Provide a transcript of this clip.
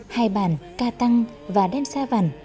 hai bản ca tăng và đen xa vẳn